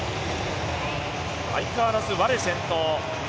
相変わらずワレ先頭。